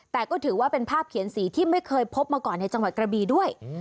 แต่ก็ถือว่าเป็นภาพเขียนสีที่ไม่เคยพบมาก่อนในจังหวัดกระบีด้วย